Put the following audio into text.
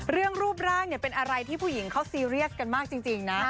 รูปร่างเป็นอะไรที่ผู้หญิงเขาซีเรียสกันมากจริงนะ